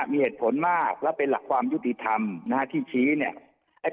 มีเหตุผลมากและเป็นหลักความยุติธรรมนะฮะที่ชี้เนี่ย